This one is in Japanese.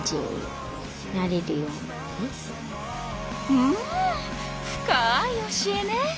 うん深い教えね！